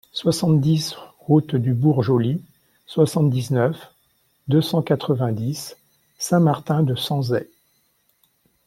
soixante-dix route du Bourg Joly, soixante-dix-neuf, deux cent quatre-vingt-dix, Saint-Martin-de-Sanzay